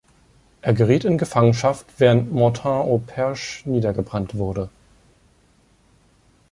Er geriet in Gefangenschaft, während Mortagne-au-Perche niedergebrannt wurde.